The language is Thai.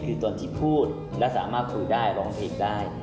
คือตนที่พูดและสามารถคุยได้ร้องเพลงได้